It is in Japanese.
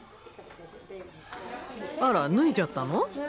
あら脱いじゃったの？